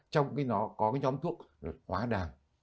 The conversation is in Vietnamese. trong cái nó có cái nhóm thuốc là hóa đàm